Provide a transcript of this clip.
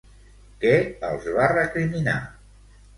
Què els va recriminar?